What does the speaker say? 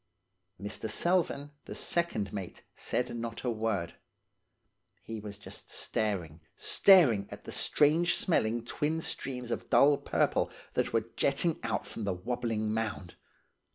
"Mr. Selvern, the second mate, said not a word; he was just staring, staring at the strange smelling twin streams of dull purple that were jetting out from the wobbling mound.